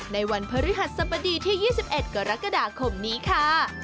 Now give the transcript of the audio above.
ในวันพฤหัสสบดีที่๒๑กรกฎาคมนี้ค่ะ